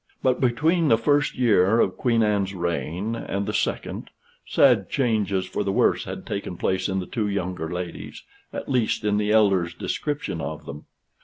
But between the first year of Queen Anne's reign, and the second, sad changes for the worse had taken place in the two younger ladies, at least in the elder's description of them.